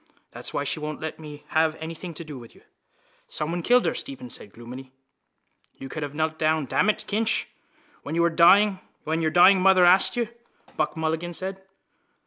That's why she won't let me have anything to do with you. —Someone killed her, Stephen said gloomily. —You could have knelt down, damn it, Kinch, when your dying mother asked you, Buck Mulligan said.